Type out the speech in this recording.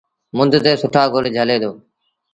مند تي سُٺآ گل جھلي دو۔